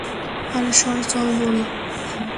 আরে সর, চল বোন!